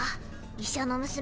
医者の娘。